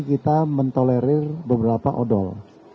kita mentolerir beberapa odol